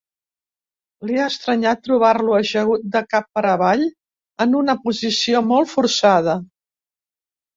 Li ha estranyat trobar-lo ajagut de cap per avall en una posició molt forçada.